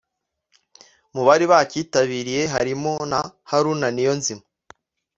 Mu bari bacyitabiriye harimo na Haruna Niyonzima